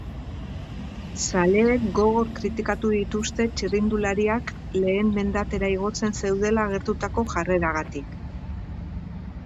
Zaleek gogor kritikatu dituzte txirrindulariak lehen mendatera igotzen zeudela agertutako jarreragatik.